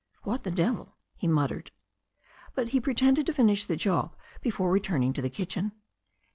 "What the devil I" he muttered. But he pretended to finish the job before returning to the kitchen.